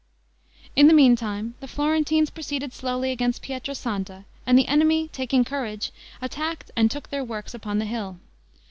In the meantime the Florentines proceeded slowly against Pietra Santa, and the enemy taking courage attacked and took their works upon the hill.